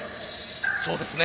そうですね。